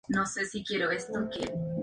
Una lápida recuerda a Martín de Álzaga.